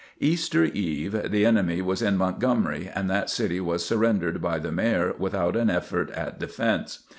Easter Eve the enemy was in Montgomery and that city was surrendered by the Mayor without an effort at defence.